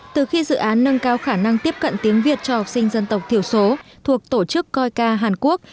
từ khi dự án nâng cao khả năng tiếp cận tiếng việt cho học sinh dân tộc thiểu số thuộc tổ chức coica hàn quốc